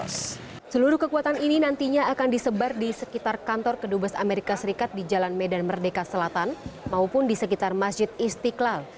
seluruh kekuatan ini nantinya akan disebar di sekitar kantor kedubes amerika serikat di jalan medan merdeka selatan maupun di sekitar masjid istiqlal